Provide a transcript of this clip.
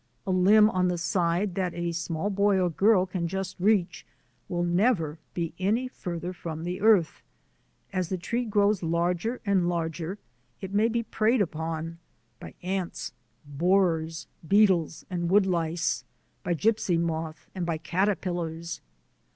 A limb on the side that a small boy or girl can just reach will never be any farther from the earth. As the tree grows larger and larger it may be preyed upon by ants, borers, beetles, and wood lice, by gypsy moth and by caterpillars.